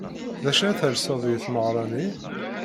D acu ara telseḍ i tmeɣra-nni?